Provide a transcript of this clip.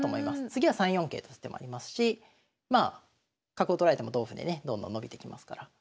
次は３四桂と打つ手もありますし角を取られても同歩でねどんどん伸びていきますから。